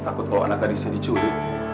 takut kalau anak gadisnya diculik